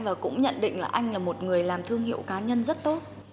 và cũng nhận định là anh là một người làm thương hiệu cá nhân rất tốt